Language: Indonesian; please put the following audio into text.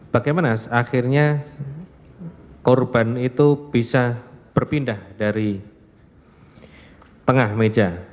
bagaimana akhirnya korban itu bisa berpindah dari tengah meja